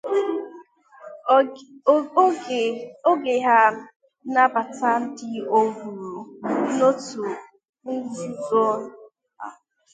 oge ha na-anabata ndị ọhụrụ n'otu nzuzo ha.